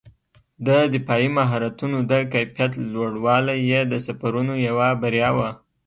د دفاعي مهارتونو د کیفیت لوړوالی یې د سفرونو یوه بریا وه.